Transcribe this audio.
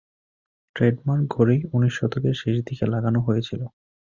Trademark ঘড়ি উনিশ শতকের শেষদিকে লাগানো হয়েছিল।